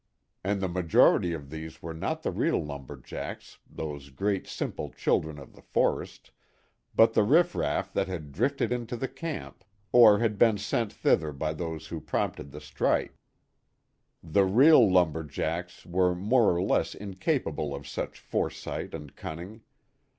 And the majority of these were not the real lumber jacks, those great simple children of the forest, but the riffraff that had drifted into the camp, or had been sent thither by those who promoted the strike. The real lumber jacks were more or less incapable of such foresight and cunning.